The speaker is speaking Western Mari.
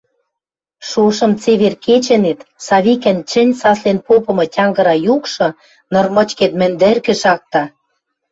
Шошым цевер кечӹнет Савикӹн чӹнь саслен попымы тянгыра юкшы ныр мычкет мӹндӹркӹ шакта.